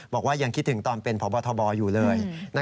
บอกว่ายังคิดถึงตอนเป็นพบทบอยู่เลย